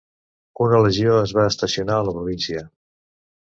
Una legió es va estacionar a la província.